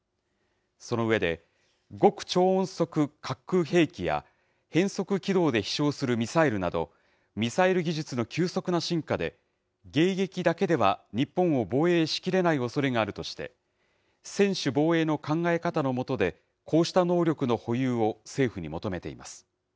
その上で、極超音速滑空兵器や変速軌道で飛しょうするミサイルなど、ミサイル技術の急速な進化で、迎撃だけでは日本を防衛しきれないおそれがあるとして、専守防衛の考え方の下で、こうした能力の保有を政府に求めています。